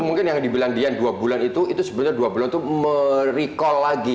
mungkin yang dibilang dian dua bulan itu itu sebenarnya dua bulan itu merecall lagi